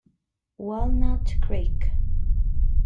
Walnut Creek